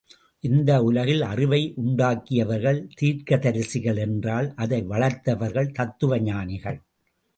இந்த உலகில் அறிவை உண்டாக்கியவர்கள் தீர்க்கதரிசிகள் என்றால் அதை வளர்த்தவர்கள் தத்துவஞானிகள்.